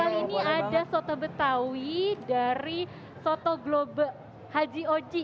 kali ini ada soto betawi dari soto globek haji oji